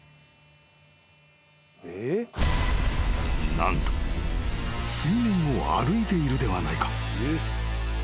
［何と水面を歩いているではないか］